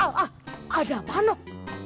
ah ah ada panok